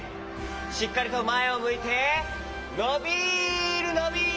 しっかりとまえをむいてのびるのびるストップ！